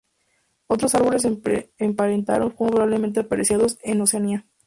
Otros árboles emparentados fueron probablemente apreciados en Oceanía.